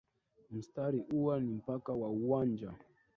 Mstari huwa ni mpaka wa uwanja